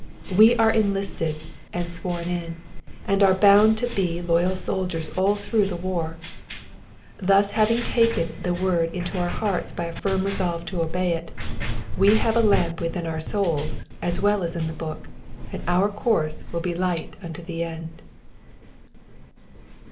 We are en listed, and sworn in, and are bound to be loyal soldiers all through the war. Thus having taken the word into our hearts by a firm resolve to obey it, we have a lamp within our souls as well as in the Book, and our course will be light unto the end.